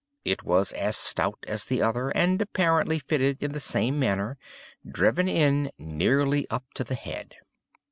It was as stout as the other, and apparently fitted in the same manner—driven in nearly up to the head.